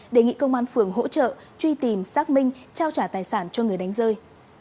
đề nghị công an phường hỗ trợ truy tìm xác minh trao trả tài sản cho người đánh rơi